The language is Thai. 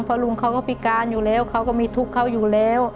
เพราะลุงเขาก็พิการอยู่แล้วเขาก็มีทุกข์เขาอยู่แล้ว